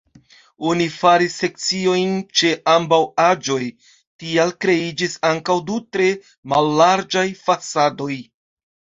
Oni faris sekciojn ĉe ambaŭ eĝoj, tial kreiĝis ankaŭ du tre mallarĝaj fasadoj.